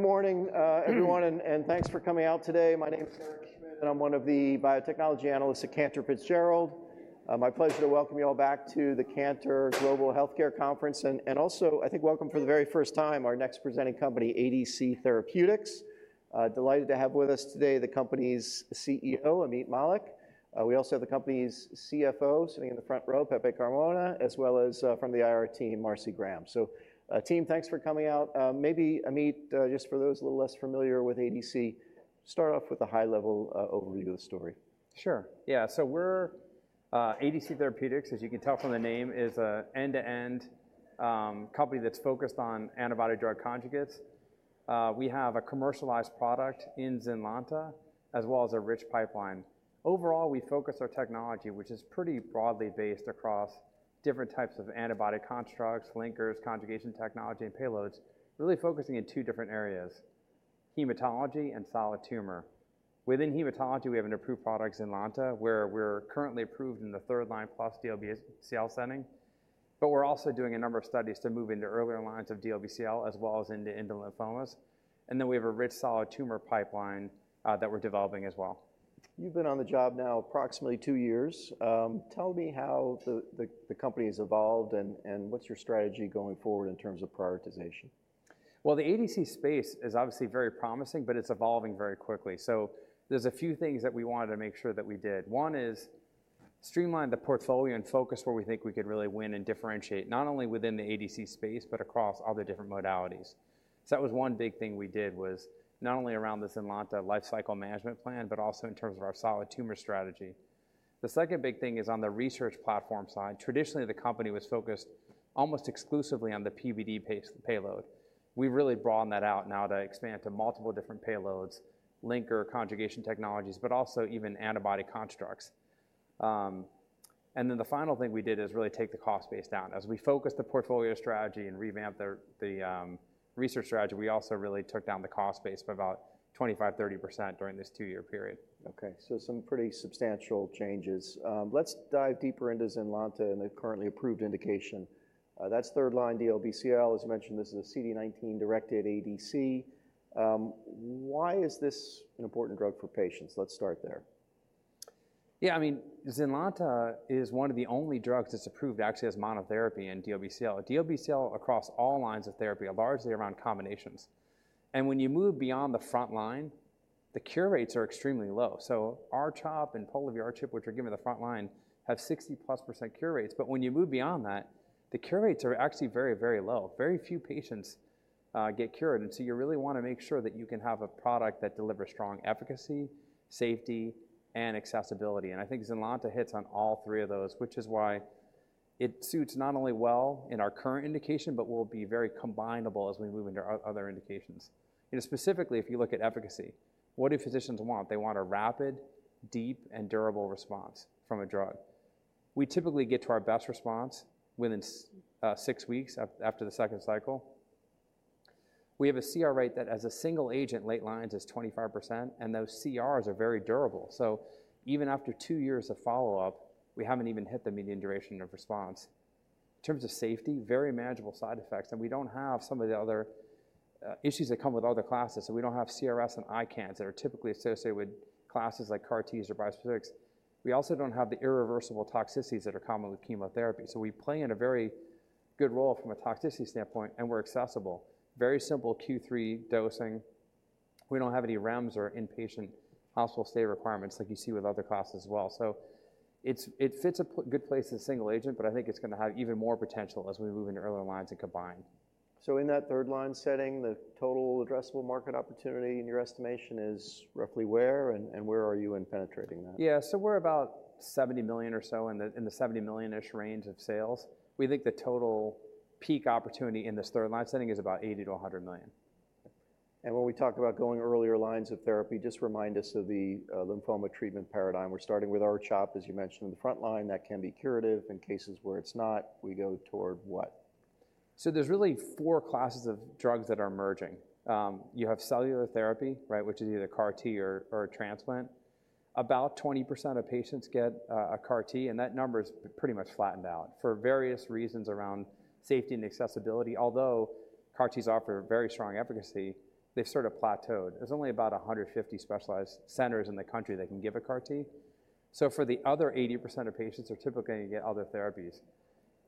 Good morning, everyone, and thanks for coming out today. My name is Eric Schmidt, and I'm one of the biotechnology analysts at Cantor Fitzgerald. My pleasure to welcome you all back to the Cantor Global Healthcare Conference, and also, I think, welcome for the very first time our next presenting company, ADC Therapeutics. Delighted to have with us today the company's CEO, Ameet Mallik. We also have the company's CFO sitting in the front row, Pepe Carmona, as well as, from the IR team, Marcy Graham. So, team, thanks for coming out. Maybe, Ameet, just for those a little less familiar with ADC, start off with a high-level overview of the story. Sure, yeah. So we're ADC Therapeutics, as you can tell from the name, is an end-to-end company that's focused on antibody-drug conjugates. We have a commercialized product in Zynlonta, as well as a rich pipeline. Overall, we focus our technology, which is pretty broadly based across different types of antibody constructs, linkers, conjugation technology, and payloads, really focusing in two different areas: hematology and solid tumor. Within hematology, we have an approved product, Zynlonta, where we're currently approved in the third-line plus DLBCL setting, but we're also doing a number of studies to move into earlier lines of DLBCL, as well as into indolent lymphomas, and then we have a rich solid tumor pipeline that we're developing as well. You've been on the job now approximately two years. Tell me how the company has evolved, and what's your strategy going forward in terms of prioritization? The ADC space is obviously very promising, but it's evolving very quickly. There's a few things that we wanted to make sure that we did. One is streamline the portfolio and focus where we think we could really win and differentiate, not only within the ADC space but across all the different modalities. That was one big thing we did, was not only around the Zynlonta lifecycle management plan but also in terms of our solid tumor strategy. The second big thing is on the research platform side. Traditionally, the company was focused almost exclusively on the PBD payload. We've really broadened that out now to expand to multiple different payloads, linker, conjugation technologies, but also even antibody constructs. And then the final thing we did is really take the cost base down. As we focused the portfolio strategy and revamped the research strategy, we also really took down the cost base by about 25%-30% during this two-year period. Okay, so some pretty substantial changes. Let's dive deeper into Zynlonta and the currently approved indication. That's third-line DLBCL. As you mentioned, this is a CD19-directed ADC. Why is this an important drug for patients? Let's start there. Yeah, I mean, Zynlonta is one of the only drugs that's approved actually as monotherapy in DLBCL. DLBCL, across all lines of therapy, are largely around combinations, and when you move beyond the front line, the cure rates are extremely low. So R-CHOP and Polivy R-CHOP, which are given in the front line, have 60-plus% cure rates. But when you move beyond that, the cure rates are actually very, very low. Very few patients get cured, and so you really want to make sure that you can have a product that delivers strong efficacy, safety, and accessibility. And I think Zynlonta hits on all three of those, which is why it suits not only well in our current indication but will be very combinable as we move into other indications. You know, specifically, if you look at efficacy, what do physicians want? They want a rapid, deep, and durable response from a drug. We typically get to our best response within six weeks after the second cycle. We have a CR rate that, as a single agent, late lines is 25%, and those CRs are very durable. So even after two years of follow-up, we haven't even hit the median duration of response. In terms of safety, very manageable side effects, and we don't have some of the other issues that come with other classes, so we don't have CRS and ICANS that are typically associated with classes like CAR-Ts or bispecifics. We also don't have the irreversible toxicities that are common with chemotherapy. So we play in a very good role from a toxicity standpoint, and we're accessible. Very simple Q3 dosing. We don't have any REMS or inpatient hospital stay requirements like you see with other classes as well. So it fits a good place as a single agent, but I think it's gonna have even more potential as we move into earlier lines and combine. So in that third-line setting, the total addressable market opportunity, in your estimation, is roughly where, and where are you in penetrating that? Yeah, so we're about $70 million or so, in the $70 million-ish range of sales. We think the total peak opportunity in this third-line setting is about $80 million-$100 million. And when we talk about going earlier lines of therapy, just remind us of the lymphoma treatment paradigm. We're starting with R-CHOP, as you mentioned, in the front line. That can be curative. In cases where it's not, we go toward what? So there's really four classes of drugs that are emerging. You have cellular therapy, right, which is either CAR-T or, or a transplant. About 20% of patients get a CAR-T, and that number has pretty much flattened out for various reasons around safety and accessibility. Although CAR-Ts offer very strong efficacy, they've sort of plateaued. There's only about 150 specialized centers in the country that can give a CAR-T. So for the other 80% of patients, they're typically going to get other therapies.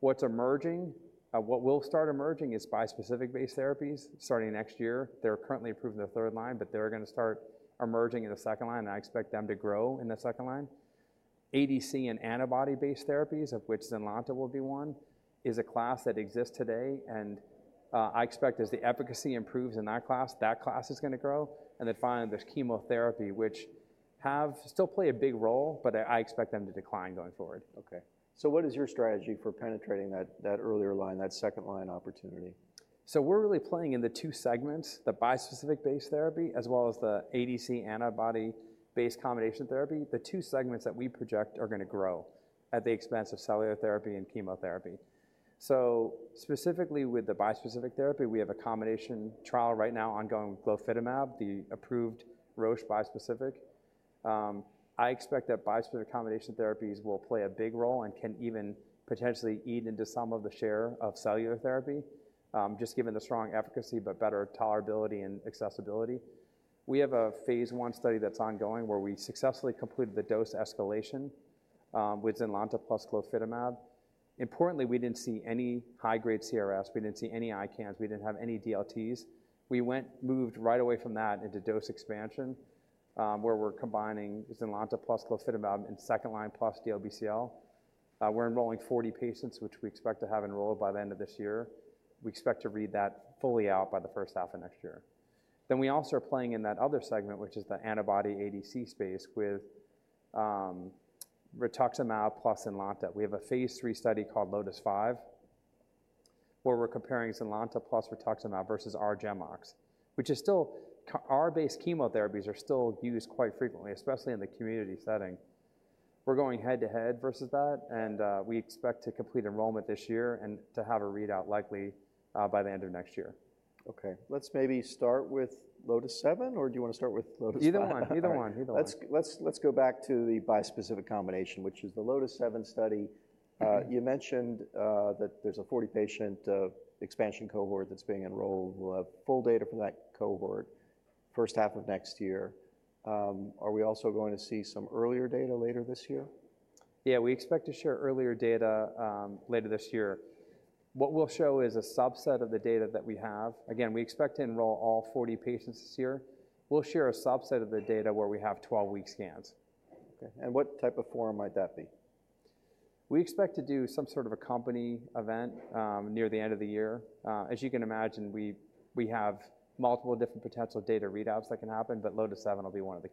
What's emerging, what will start emerging is bispecific-based therapies starting next year. They're currently approved in the third line, but they're gonna start emerging in the second line, and I expect them to grow in the second line. ADC and antibody-based therapies, of which Zynlonta will be one, is a class that exists today, and I expect as the efficacy improves in that class, that class is gonna grow. And then finally, there's chemotherapy, which still play a big role, but I expect them to decline going forward. Okay, so what is your strategy for penetrating that earlier line, that second-line opportunity? So we're really playing in the two segments, the bispecific-based therapy as well as the ADC antibody-based combination therapy, the two segments that we project are gonna grow at the expense of cellular therapy and chemotherapy. Specifically with the bispecific therapy, we have a combination trial right now ongoing with Glofitamab, the approved Roche bispecific. I expect that bispecific combination therapies will play a big role and can even potentially eat into some of the share of cellular therapy, just given the strong efficacy but better tolerability and accessibility. We have a phase I study that's ongoing, where we successfully completed the dose escalation, with Zynlonta plus Glofitamab. Importantly, we didn't see any high-grade CRS. We didn't see any ICANS. We didn't have any DLTs. We went right away from that into dose expansion, where we're combining Zynlonta plus Glofitamab in second-line plus DLBCL. We're enrolling 40 patients, which we expect to have enrolled by the end of this year. We expect to read that fully out by the first half of next year. Then we also are playing in that other segment, which is the antibody ADC space, with Rituximab plus Zynlonta. We have a phase 3 study called LOTIS-5, where we're comparing Zynlonta plus Rituximab versus R-GEMOX, which is still R-based. Chemotherapies are still used quite frequently, especially in the community setting. We're going head-to-head versus that, and we expect to complete enrollment this year and to have a readout likely by the end of next year. Okay, let's maybe start with LOTIS-7, or do you want to start with LOTIS-5? Either one. Let's go back to the bispecific combination, which is the LOTIS-7 study. Mm-hmm. You mentioned that there's a forty-patient expansion cohort that's being enrolled. We'll have full data from that cohort first half of next year. Are we also going to see some earlier data later this year? Yeah, we expect to share earlier data later this year. What we'll show is a subset of the data that we have. Again, we expect to enroll all 40 patients this year. We'll share a subset of the data where we have 12-week scans. Okay, and what type of forum might that be? We expect to do some sort of a company event near the end of the year. As you can imagine, we have multiple different potential data readouts that can happen, but LOTIS-7 will be one of the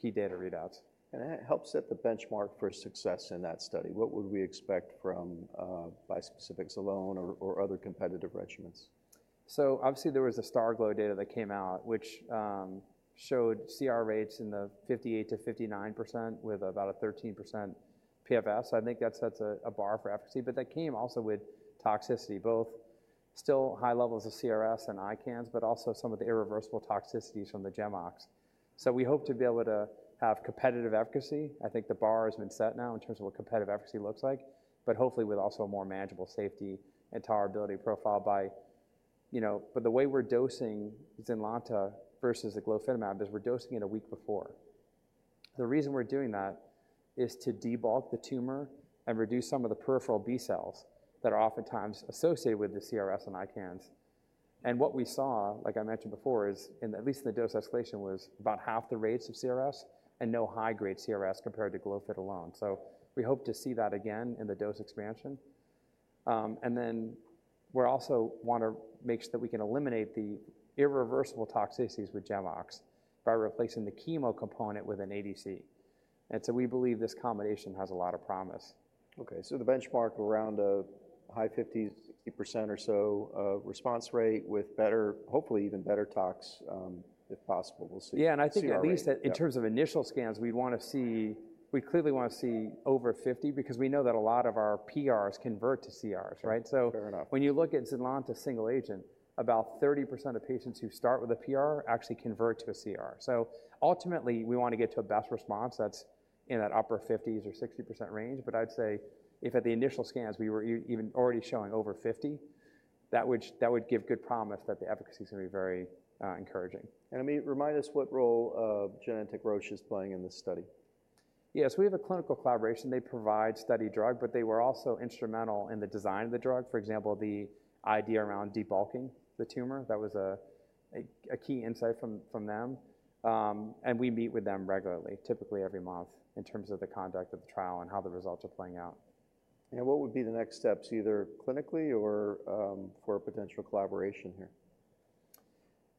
key data readouts. And I help set the benchmark for success in that study. What would we expect from bispecifics alone or other competitive regimens? Obviously, there was the STARGLO data that came out, which showed CR rates in the 58%-59% with about a 13% PFS. I think that sets a bar for efficacy, but that came also with toxicity, both still high levels of CRS and ICANS, but also some of the irreversible toxicities from the GEMOX. We hope to be able to have competitive efficacy. I think the bar has been set now in terms of what competitive efficacy looks like, but hopefully with also a more manageable safety and tolerability profile by... You know, but the way we're dosing Zynlonta versus the Glofitamab is we're dosing it a week before. The reason we're doing that is to debulk the tumor and reduce some of the peripheral B cells that are oftentimes associated with the CRS and ICANS. What we saw, like I mentioned before, is in, at least in the dose escalation, was about half the rates of CRS and no high-grade CRS compared to glofitamab alone. We hope to see that again in the dose expansion. And then we also want to make sure that we can eliminate the irreversible toxicities with GEMOX by replacing the chemo component with an ADC. So we believe this combination has a lot of promise. Okay, so the benchmark around a high 50%, 60% or so of response rate with better, hopefully even better tox, if possible. We'll see. Yeah, and I think- CR rate At least in terms of initial scans, we'd clearly want to see over fifty because we know that a lot of our PRs convert to CRs, right? Sure. Fair enough. So when you look at Zynlonta single agent, about 30% of patients who start with a PR actually convert to a CR. So ultimately, we want to get to a best response that's in that upper 50s or 60% range. But I'd say if at the initial scans we were even already showing over 50, that would give good promise that the efficacy is going to be very encouraging. Remind us what role Genentech/Roche is playing in this study. Yes, we have a clinical collaboration. They provide study drug, but they were also instrumental in the design of the drug. For example, the idea around debulking the tumor, that was a key insight from them. And we meet with them regularly, typically every month, in terms of the conduct of the trial and how the results are playing out. What would be the next steps, either clinically or for a potential collaboration here?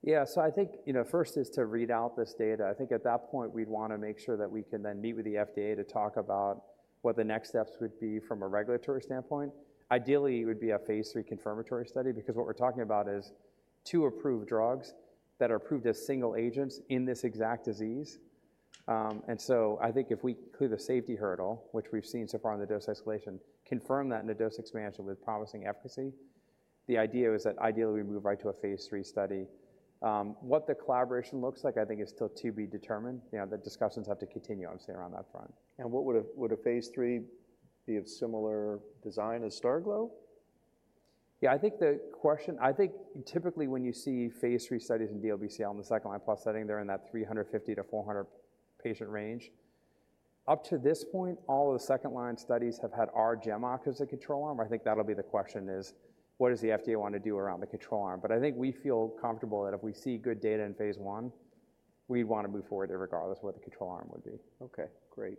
Yeah. So I think, you know, first is to read out this data. I think at that point, we'd want to make sure that we can then meet with the FDA to talk about what the next steps would be from a regulatory standpoint. Ideally, it would be a phase III confirmatory study, because what we're talking about is two approved drugs that are approved as single agents in this exact disease. And so I think if we clear the safety hurdle, which we've seen so far in the dose escalation, confirm that in the dose expansion with promising efficacy, the idea is that ideally, we move right to a phase III study. What the collaboration looks like, I think, is still to be determined. You know, the discussions have to continue, obviously, around that front. What would a phase III be of similar design as STARGLO? Yeah, I think the question. I think typically when you see phase III studies in DLBCL in the second-line plus setting, they're in that 350-400 patient range. Up to this point, all of the second-line studies have had R-GEMOX as a control arm. I think that'll be the question is: What does the FDA want to do around the control arm? But I think we feel comfortable that if we see good data in phase I, we'd want to move forward irregardless of what the control arm would be. Okay, great.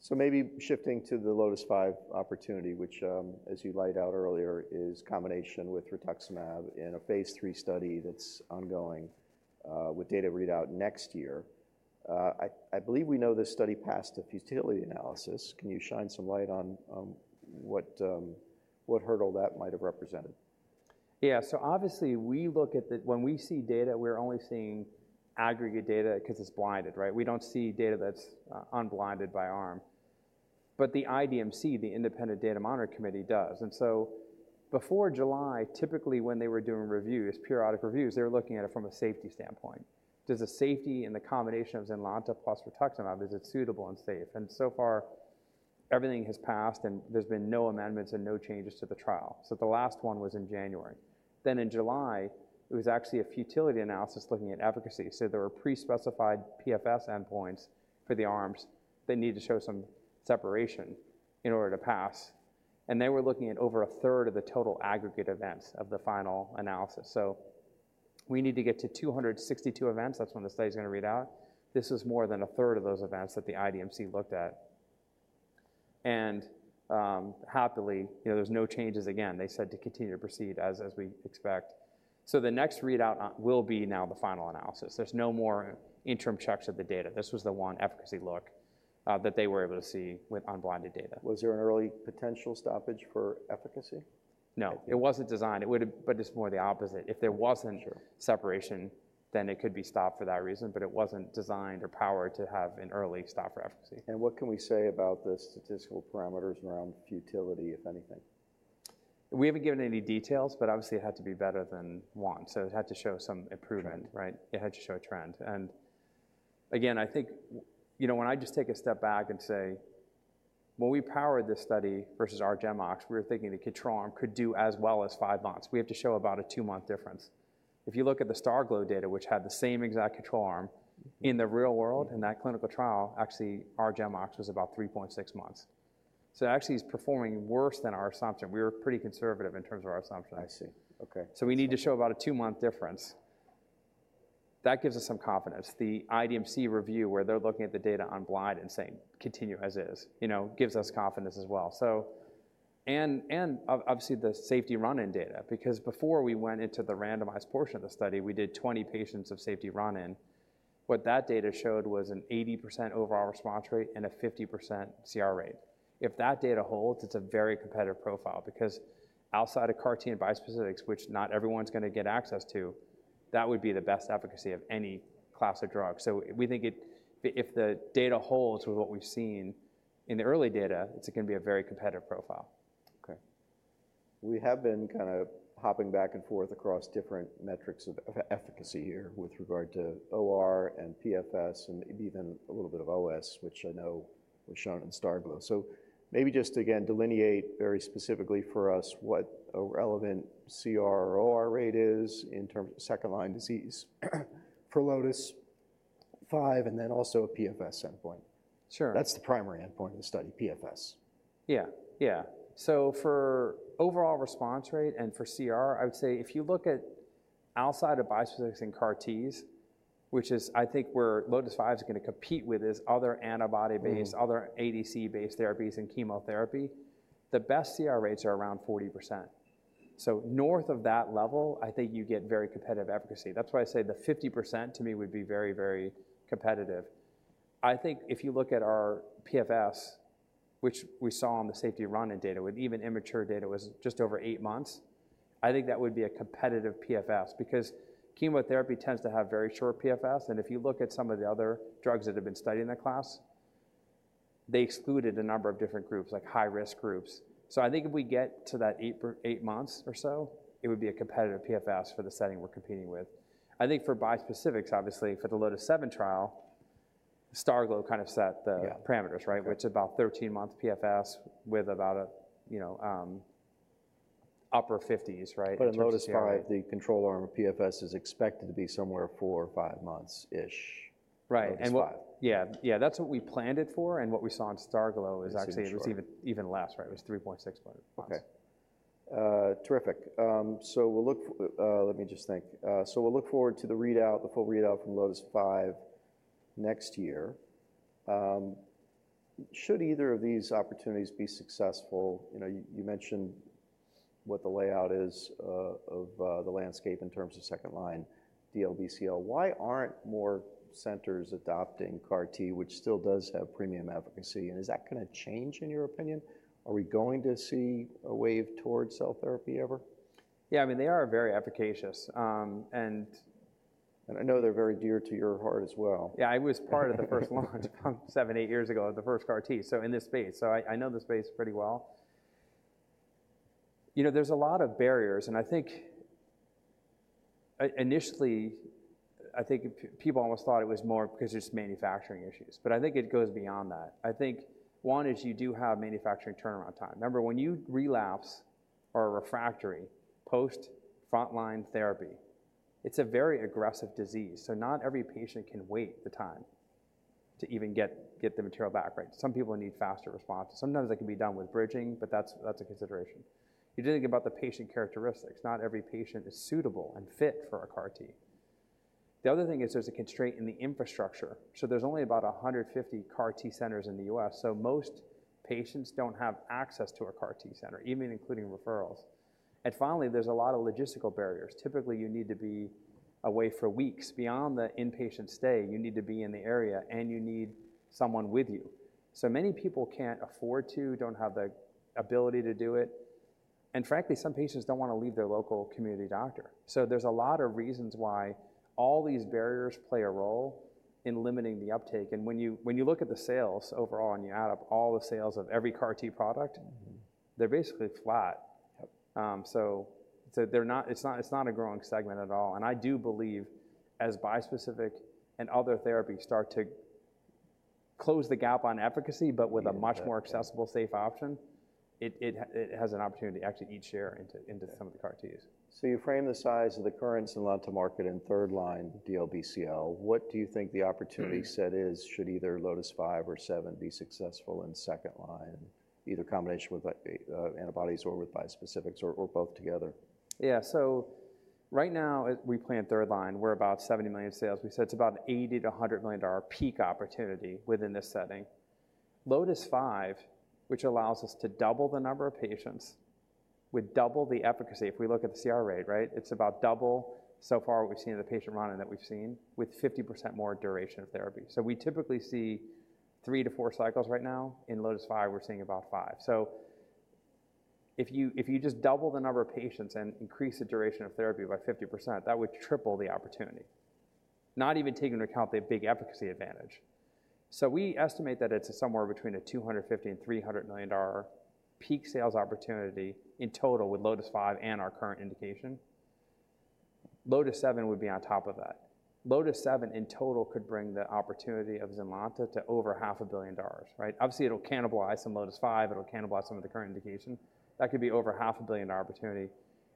So maybe shifting to the LOTIS-5 opportunity, which, as you laid out earlier, is combination with Rituximab in a phase III study that's ongoing, with data readout next year. I believe we know this study passed a futility analysis. Can you shine some light on, what what hurdle that might have represented? Yeah. So obviously, we look at the data. When we see data, we're only seeing aggregate data because it's blinded, right? We don't see data that's unblinded by arm, but the IDMC, the Independent Data Monitoring Committee, does. And so before July, typically when they were doing reviews, periodic reviews, they were looking at it from a safety standpoint. Does the safety and the combination of Zynlonta plus rituximab, is it suitable and safe? And so far, everything has passed, and there's been no amendments and no changes to the trial. So the last one was in January. Then in July, it was actually a futility analysis looking at efficacy. So there were pre-specified PFS endpoints for the arms that needed to show some separation in order to pass, and they were looking at over a third of the total aggregate events of the final analysis. So we need to get to two hundred and sixty-two events. That's when the study is going to read out. This is more than a third of those events that the IDMC looked at. And, happily, you know, there's no changes again. They said to continue to proceed as we expect. So the next readout on will be now the final analysis. There's no more interim checks of the data. This was the one efficacy look that they were able to see with unblinded data. Was there an early potential stoppage for efficacy? No, it wasn't designed. It would've... but it's more the opposite. If there wasn't- Sure. Separation, then it could be stopped for that reason, but it wasn't designed or powered to have an early stop for efficacy. What can we say about the statistical parameters around futility, if anything? We haven't given any details, but obviously it had to be better than one, so it had to show some improvement, right? Trend. It had to show a trend, and again, I think, you know, when I just take a step back and say, when we powered this study versus R-GEMOX, we were thinking the control arm could do as well as five months. We have to show about a two-month difference. If you look at the STARGLO data, which had the same exact control arm in the real world, in that clinical trial, actually, R-GEMOX was about 3.6 months, so it actually is performing worse than our assumption. We were pretty conservative in terms of our assumption. I see. Okay. We need to show about a two-month difference. That gives us some confidence. The IDMC review, where they're looking at the data unblind and saying, "Continue as is," you know, gives us confidence as well. Obviously, the safety run-in data, because before we went into the randomized portion of the study, we did 20 patients of safety run-in. What that data showed was an 80% overall response rate and a 50% CR rate. If that data holds, it's a very competitive profile, because outside of CAR-T and bispecifics, which not everyone's going to get access to, that would be the best efficacy of any class of drugs. We think it, if the data holds with what we've seen in the early data, it's going to be a very competitive profile. Okay. We have been kind of hopping back and forth across different metrics of efficacy here with regard to OR and PFS and maybe even a little bit of OS, which I know was shown in STARGLO. So maybe just again, delineate very specifically for us what a relevant CR or OR rate is in terms of second-line disease for LOTIS-5, and then also a PFS endpoint. Sure. That's the primary endpoint of the study, PFS. Yeah. Yeah. For overall response rate and for CR, I would say if you look at outside of bispecifics and CAR-Ts, which is I think where LOTIS-5 is going to compete with is other antibody-based- Mm. Other ADC-based therapies and chemotherapy, the best CR rates are around 40%. So north of that level, I think you get very competitive efficacy. That's why I say the 50% to me would be very, very competitive. I think if you look at our PFS, which we saw on the safety run-in data, with even immature data, was just over eight months, I think that would be a competitive PFS because chemotherapy tends to have very short PFS. And if you look at some of the other drugs that have been studied in that class, they excluded a number of different groups, like high-risk groups. So I think if we get to that eight months or so, it would be a competitive PFS for the setting we're competing with. I think for bispecifics, obviously, for the LOTIS-7 trial, STARGLO kind of set the- Yeah Parameters, right? Okay. Which is about thirteen-month PFS with about a, you know, upper fifties, right, in terms of CR. But in LOTIS-5, the control arm PFS is expected to be somewhere four or five months-ish. Right. LOTIS-5. Yeah, yeah, that's what we planned it for, and what we saw in STARGLO is actually- Seemed short. It was even less, right? It was three point six months. Okay. Terrific. So we'll look forward to the readout, the full readout from LOTIS-5 next year. Should either of these opportunities be successful, you know, you mentioned what the layout is of the landscape in terms of second-line DLBCL. Why aren't more centers adopting CAR-T, which still does have premium efficacy? And is that going to change, in your opinion? Are we going to see a wave towards cell therapy ever? Yeah, I mean, they are very efficacious, and- I know they're very dear to your heart as well. Yeah, I was part of the first launch about seven, eight years ago, the first CAR-T, so in this space. So I know the space pretty well. You know, there's a lot of barriers, and I think initially, I think people almost thought it was more because there's manufacturing issues, but I think it goes beyond that. I think, one, is you do have manufacturing turnaround time. Remember, when you relapse or are refractory post-frontline therapy, it's a very aggressive disease, so not every patient can wait the time to even get the material back, right? Some people need faster response. Sometimes that can be done with bridging, but that's a consideration. You then think about the patient characteristics. Not every patient is suitable and fit for a CAR-T. The other thing is there's a constraint in the infrastructure. So there's only about 150 CAR-T centers in the U.S., so most patients don't have access to a CAR-T center, even including referrals. And finally, there's a lot of logistical barriers. Typically, you need to be away for weeks. Beyond the inpatient stay, you need to be in the area, and you need someone with you. So many people can't afford to, don't have the ability to do it... and frankly, some patients don't want to leave their local community doctor. So there's a lot of reasons why all these barriers play a role in limiting the uptake, and when you, when you look at the sales overall and you add up all the sales of every CAR-T product- Mm-hmm. They're basically flat. Yep. They're not. It's not a growing segment at all, and I do believe as bispecific and other therapies start to close the gap on efficacy, but with a much more- Yeah. accessible, safe option, it has an opportunity to actually eat share into some of the CAR-Ts. So you frame the size of the current Zynlonta market in third-line DLBCL. What do you think the opportunity- Mm Should either LOTIS-5 or LOTIS-7 be successful in second-line, either combination with like antibodies or with bispecifics or both together? Yeah. So right now, we play in third line. We're about $70 million in sales. We said it's about $80 million-$100 million peak opportunity within this setting. LOTIS-5, which allows us to double the number of patients with double the efficacy. If we look at the CR rate, right, it's about double so far what we've seen in the patient run-in that we've seen, with 50% more duration of therapy. So we typically see three to four cycles right now. In LOTIS-5, we're seeing about five. So if you just double the number of patients and increase the duration of therapy by 50%, that would triple the opportunity, not even taking into account the big efficacy advantage. We estimate that it's somewhere between $250 million-$300 million peak sales opportunity in total with LOTIS-5 and our current indication. LOTIS-7 would be on top of that. LOTIS-7 in total could bring the opportunity of ZYNLONTA to over $500 million, right? Obviously, it'll cannibalize some LOTIS-5, it'll cannibalize some of the current indication. That could be over $500 million opportunity,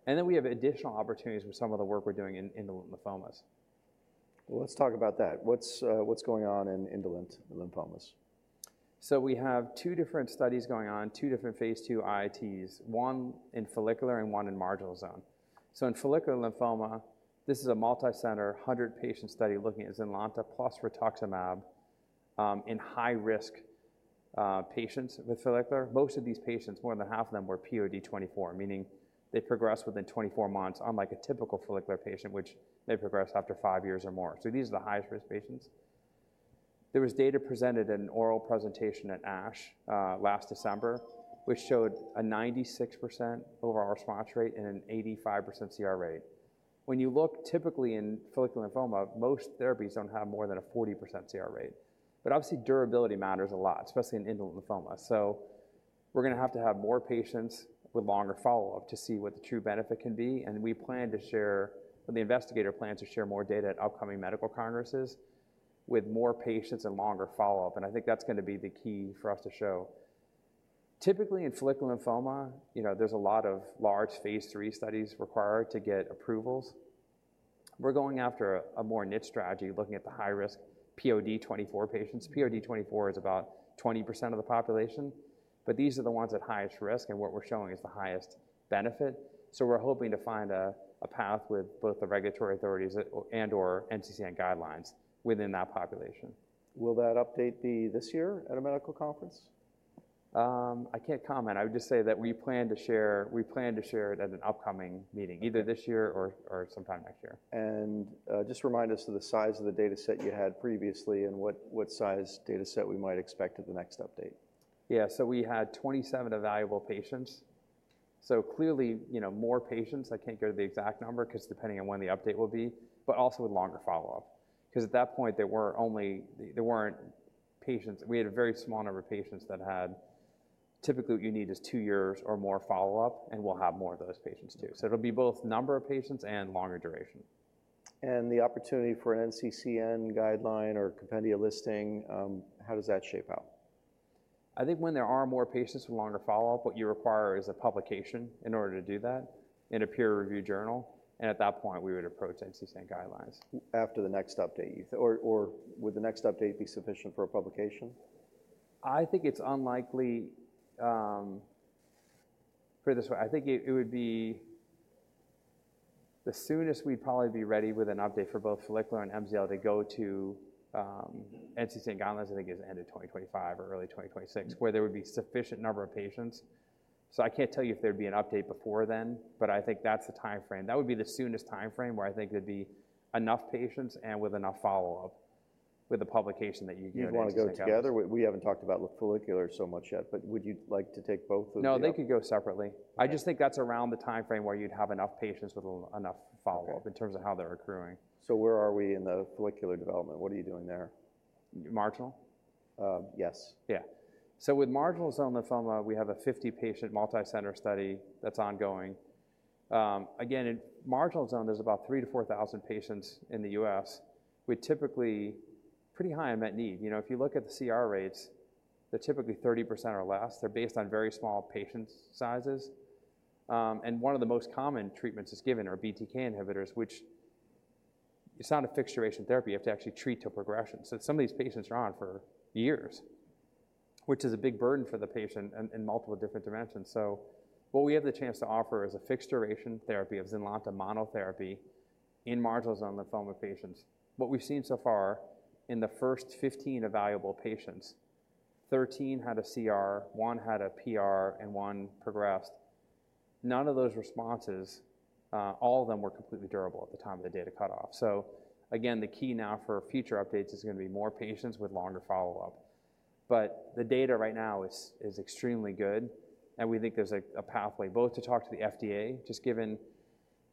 and then we have additional opportunities with some of the work we're doing in lymphomas. Let's talk about that. What's going on in indolent lymphomas? We have two different studies going on, two different phase II IITs, one in follicular and one in marginal zone. In follicular lymphoma, this is a multi-center, 100-patient study looking at Zynlonta plus rituximab, in high-risk, patients with follicular. Most of these patients, more than half of them, were POD24, meaning they progressed within 24 months, unlike a typical follicular patient, which they progress after five years or more. These are the highest-risk patients. There was data presented in an oral presentation at ASH, last December, which showed a 96% overall response rate and an 85% CR rate. When you look typically in follicular lymphoma, most therapies don't have more than a 40% CR rate. But obviously, durability matters a lot, especially in indolent lymphoma. We're gonna have to have more patients with longer follow-up to see what the true benefit can be, and we plan to share... The investigator plans to share more data at upcoming medical congresses with more patients and longer follow-up, and I think that's gonna be the key for us to show. Typically, in follicular lymphoma, you know, there's a lot of large phase III studies required to get approvals. We're going after a more niche strategy, looking at the high-risk POD24 patients. POD24 is about 20% of the population, but these are the ones at highest risk and what we're showing is the highest benefit. We're hoping to find a path with both the regulatory authorities at and/or NCCN guidelines within that population. Will that update be this year at a medical conference? I can't comment. I would just say that we plan to share it at an upcoming meeting, either this year or sometime next year. Just remind us of the size of the data set you had previously and what size data set we might expect at the next update. Yeah. So we had 27 evaluable patients. So clearly, you know, more patients. I can't go to the exact number 'cause depending on when the update will be, but also with longer follow-up. 'Cause at that point, we had a very small number of patients that had... Typically, what you need is two years or more follow-up, and we'll have more of those patients, too. So it'll be both number of patients and longer duration. And the opportunity for an NCCN guideline or compendia listing, how does that shape out? I think when there are more patients with longer follow-up, what you require is a publication in order to do that in a peer-review journal, and at that point, we would approach NCCN guidelines. After the next update, or would the next update be sufficient for a publication? I think it's unlikely for this one. I think it would be the soonest we'd probably be ready with an update for both follicular and MCL to go to NCCN guidelines, I think, is end of 2025 or early 2026, where there would be sufficient number of patients. So I can't tell you if there'd be an update before then, but I think that's the timeframe. That would be the soonest timeframe where I think there'd be enough patients and with enough follow-up with the publication that you give to NCCN- You'd want to go together? We haven't talked about follicular so much yet, but would you like to take both of the- No, they could go separately. Okay. I just think that's around the timeframe where you'd have enough patients, enough follow-up- Okay In terms of how they're accruing. So where are we in the follicular development? What are you doing there? Marginal? Uh, yes. Yeah. So with marginal zone lymphoma, we have a 50-patient multi-center study that's ongoing. Again, in marginal zone, there's about three to four thousand patients in the U.S. We're typically pretty high in unmet need. You know, if you look at the CR rates, they're typically 30% or less. They're based on very small patient sizes. And one of the most common treatments given are BTK inhibitors, which it's not a fixed-duration therapy. You have to actually treat to progression. So some of these patients are on for years, which is a big burden for the patient in multiple different dimensions. So what we have the chance to offer is a fixed-duration therapy of Zynlonta monotherapy in marginal zone lymphoma patients. What we've seen so far in the first 15 evaluable patients, 13 had a CR, one had a PR, and one progressed. None of those responses, all of them were completely durable at the time of the data cutoff. So again, the key now for future updates is gonna be more patients with longer follow-up, but the data right now is extremely good, and we think there's a pathway both to talk to the FDA, just given.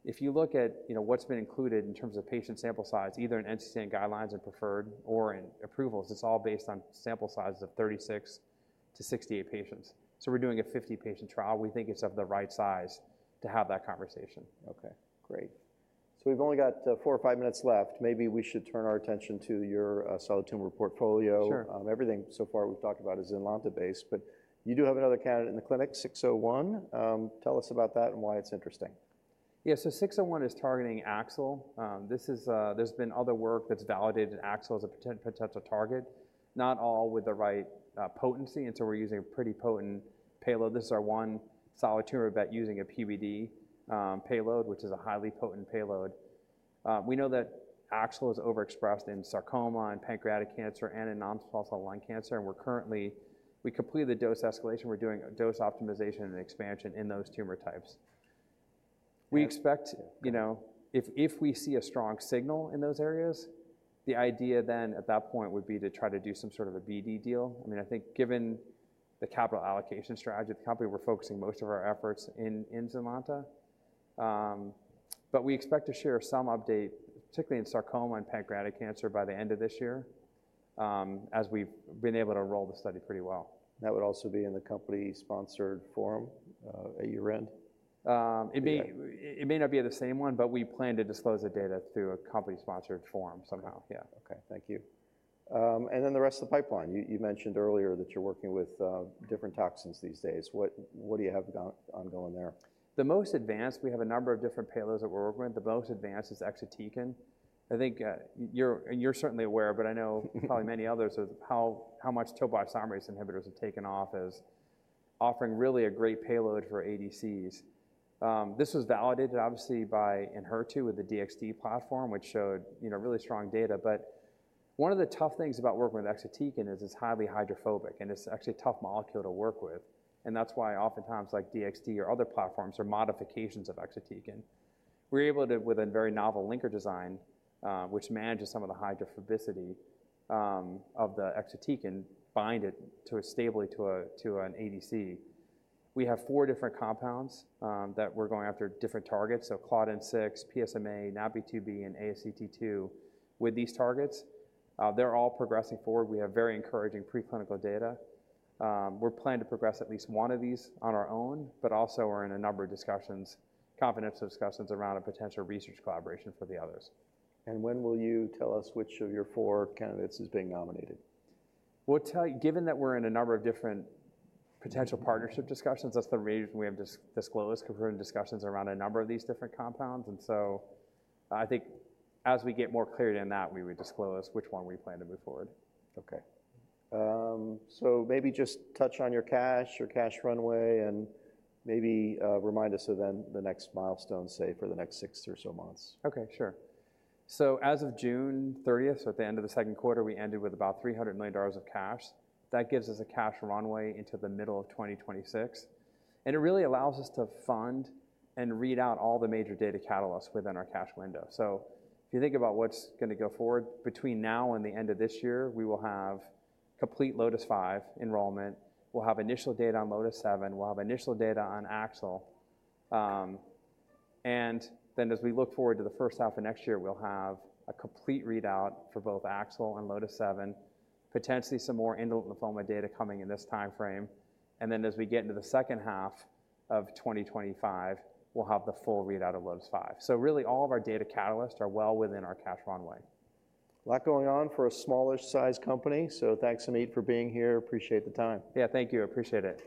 If you look at, you know, what's been included in terms of patient sample size, either in NCCN guidelines and preferred or in approvals, it's all based on sample sizes of 36-68 patients. So we're doing a 50-patient trial. We think it's of the right size to have that conversation. Okay, great. So we've only got four or five minutes left. Maybe we should turn our attention to your solid tumor portfolio. Sure. Everything so far we've talked about is Zynlonta-based, but you do have another candidate in the clinic, 601. Tell us about that and why it's interesting. Yeah, so 601 is targeting AXL. This is, there's been other work that's validated AXL as a potential target, not all with the right, potency, and so we're using a pretty potent payload. This is our only solid tumor asset using a PBD payload, which is a highly potent payload. We know that AXL is overexpressed in sarcoma and pancreatic cancer and in non-small cell lung cancer, and we're currently. We completed the dose escalation. We're doing a dose optimization and expansion in those tumor types. We expect, you know, if we see a strong signal in those areas, the idea then at that point would be to try to do some sort of a BD deal. I mean, I think given the capital allocation strategy of the company, we're focusing most of our efforts in Zynlonta. But we expect to share some update, particularly in sarcoma and pancreatic cancer, by the end of this year, as we've been able to roll the study pretty well. That would also be in the company-sponsored forum, at year-end? It may- Yeah. It may not be at the same one, but we plan to disclose the data through a company-sponsored forum somehow. Yeah. Okay, thank you. And then the rest of the pipeline, you mentioned earlier that you're working with different toxins these days. What do you have ongoing there? The most advanced, we have a number of different payloads that we're working on. The most advanced is Exatecan. I think you're certainly aware, but probably many others know how much topoisomerase inhibitors have taken off as offering really a great payload for ADCs. This was validated obviously by in HER2 with the DXd platform, which showed you know really strong data. But one of the tough things about working with Exatecan is it's highly hydrophobic, and it's actually a tough molecule to work with. And that's why oftentimes like DXd or other platforms are modifications of Exatecan. We're able to with a very novel linker design which manages some of the hydrophobicity of the Exatecan bind it stably to an ADC. We have four different compounds that we're going after different targets, so Claudin-6, PSMA, NaPi2b, and ASCT2. With these targets, they're all progressing forward. We have very encouraging preclinical data. We're planning to progress at least one of these on our own, but also we're in a number of discussions, confidential discussions around a potential research collaboration for the others. When will you tell us which of your four candidates is being nominated? We'll tell you. Given that we're in a number of different potential partnership discussions, that's the reason we have disclosed, 'cause we're in discussions around a number of these different compounds, and so I think as we get more clarity on that, we would disclose which one we plan to move forward. Okay. So maybe just touch on your cash, your cash runway, and maybe remind us of then the next milestone, say, for the next six or so months. Okay, sure. So as of June thirtieth, so at the end of the second quarter, we ended with about $300 million of cash. That gives us a cash runway into the middle of 2026, and it really allows us to fund and read out all the major data catalysts within our cash window. So if you think about what's gonna go forward between now and the end of this year, we will have complete LOTIS-5 enrollment. We'll have initial data on LOTIS-7. We'll have initial data on AXL. And then as we look forward to the first half of next year, we'll have a complete readout for both AXL and LOTIS-7, potentially some more indolent lymphoma data coming in this timeframe. And then, as we get into the second half of 2025, we'll have the full readout of LOTIS-5. So really, all of our data catalysts are well within our cash runway. A lot going on for a smaller-sized company. So thanks, Ameet, for being here. Appreciate the time. Yeah, thank you. I appreciate it.